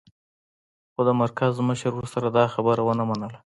خو د مرکز مشر ورسره دا خبره و نه منله